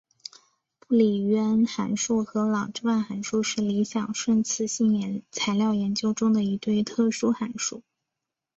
布里渊函数和郎之万函数是理想顺磁性材料研究中的一对特殊函数。